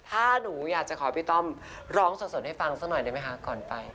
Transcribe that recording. ถ้าหนูอยากจะขอพี่ต้อมร้องสดให้ฟังสักหน่อยได้ไหมคะก่อนไป